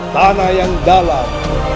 tanah yang dalam